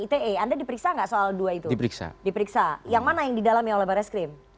ite anda diperiksa nggak soal dua itu diperiksa yang mana yang didalami oleh barreskrim